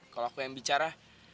kalau aku yang bicara